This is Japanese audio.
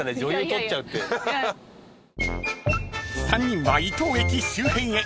［３人は伊東駅周辺へ］